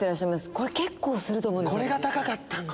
これ結構すると思うんです。